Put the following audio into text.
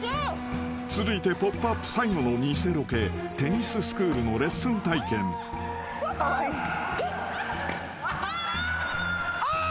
［続いて『ポップＵＰ！』最後の偽ロケテニススクールのレッスン体験］あーっ！